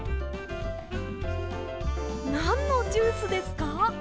なんのジュースですか？